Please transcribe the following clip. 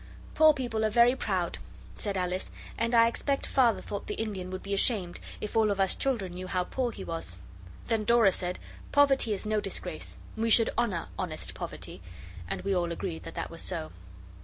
'Poor people are very proud,' said Alice, 'and I expect Father thought the Indian would be ashamed, if all of us children knew how poor he was.' Then Dora said, 'Poverty is no disgrace. We should honour honest Poverty.' And we all agreed that that was so.